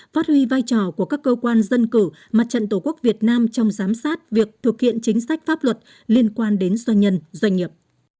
phát huy vai trò của các cơ quan dân cử mặt trận tổ quốc việt nam trong giám sát việc thực hiện chính sách pháp luật liên quan đến doanh nhân doanh nghiệp